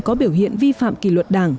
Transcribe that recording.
có biểu hiện vi phạm kỳ luật đảng